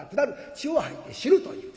血を吐いて死ぬという。